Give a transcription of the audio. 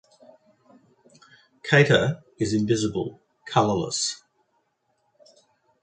Keter is invisible, colorless.